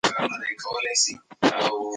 مارغان ګور والوتل.